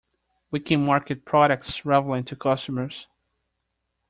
We can market products relevant to customers.